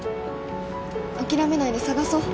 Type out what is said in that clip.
諦めないで捜そう。